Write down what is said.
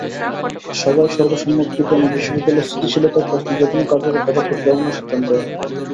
সভায় সর্বসম্মতিক্রমে বিশ্ববিদ্যালয়ের স্থিতিশীলতার প্রশ্নে যেকোনো কার্যকর পদক্ষেপ গ্রহণের সিদ্ধান্তও হয়।